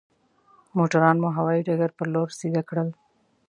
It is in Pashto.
موټران مو هوايي ډګر پر لور سيده کړل.